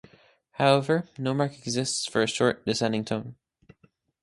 However no mark exists for a short, descending tone.